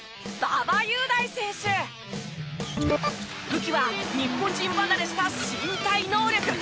武器は日本人離れした身体能力！